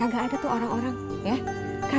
agak ada tuh orang orang ya